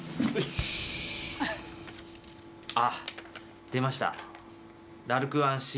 しっあっ出ました